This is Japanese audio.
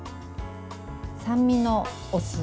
酸味のお酢。